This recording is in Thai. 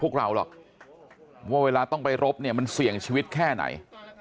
พวกเราหรอกว่าเวลาต้องไปรบเนี่ยมันเสี่ยงชีวิตแค่ไหน